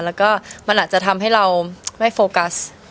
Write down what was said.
แล้วก็มันอาจจะทำให้เราไม่โฟกัส